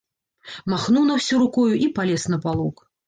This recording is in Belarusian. Махнуў на ўсё рукою і палез на палок.